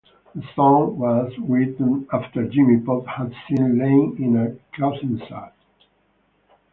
The song was written after Jimmy Pop had seen Lain in a clothing ad.